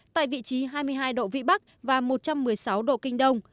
tại vị trí hai mươi hai độ vĩ bắc và một trăm một mươi sáu độ kinh đông